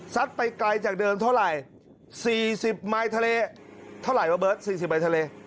ซัดไปไกลจากเดินเท่าไหร่สี่สิบไม้ทะเลเท่าไหร่วะเบิร์ตสี่สิบไม้ทะเล